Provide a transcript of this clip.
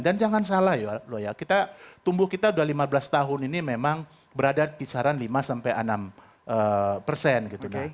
dan jangan salah ya kita tumbuh kita sudah lima belas tahun ini memang berada kisaran lima sampai enam persen